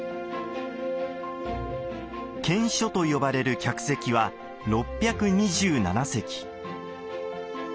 見所と呼ばれる客席は６２７席。